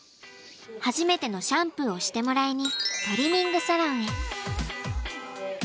初めてのシャンプーをしてもらいにトリミングサロンへ。